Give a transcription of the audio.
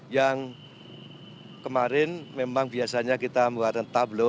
yang kemarin memang biasanya kita membuat tablo